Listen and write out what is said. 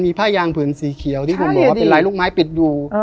ผ้ายางผืนสีเขียวที่ผมบอกว่าเป็นลายลูกไม้ปิดอยู่